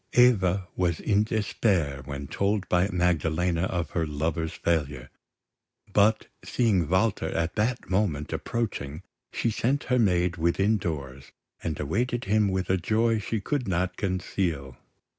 Eva was in despair when told by Magdalena of her lover's failure; but, seeing Walter at that moment approaching, she sent her maid within doors, and awaited him with a joy she could not conceal.